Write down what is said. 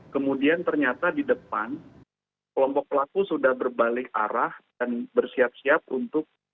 kemudian ternyata di depan kelompok pelaku sudah berbalik arah dan bersiap siap untuk